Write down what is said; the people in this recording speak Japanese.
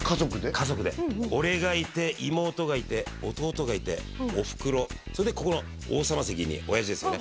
家族で俺がいて妹がいて弟がいておふくろそれでここの王様席に親父ですよね